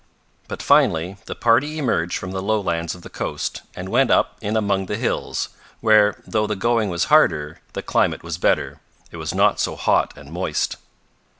But finally the party emerged from the lowlands of the coast and went up in among the hills, where though the going was harder, the climate was better. It was not so hot and moist.